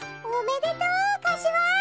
おめでとうかしわ！